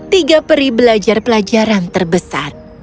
tiga peri belajar pelajaran terbesar